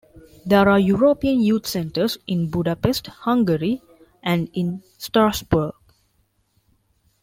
There are European Youth Centres in Budapest, Hungary, and in Strasbourg.